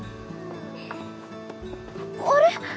あれ？